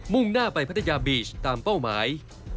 ่งหน้าไปพัทยาบีชตามเป้าหมาย